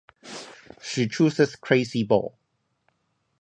She chooses Crazy Ball.